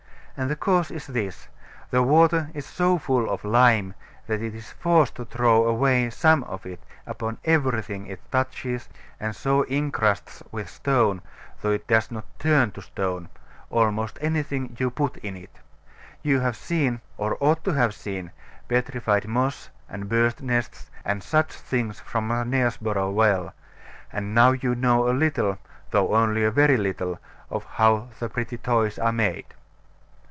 And the cause is this: the water is so full of lime, that it is forced to throw away some of it upon everything it touches, and so incrusts with stone though it does not turn to stone almost anything you put in it. You have seen, or ought to have seen, petrified moss and birds' nests and such things from Knaresborough Well: and now you know a little, though only a very little, of how the pretty toys are made.